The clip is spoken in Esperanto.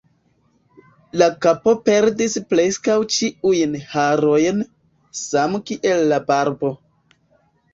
La kapo perdis preskaŭ ĉiujn harojn, same kiel la barbo.